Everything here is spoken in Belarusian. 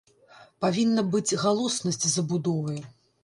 Павінна быць галоснасць забудовы.